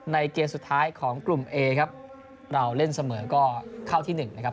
เกมสุดท้ายของกลุ่มเอครับเราเล่นเสมอก็เข้าที่หนึ่งนะครับ